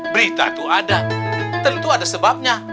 berita itu ada tentu ada sebabnya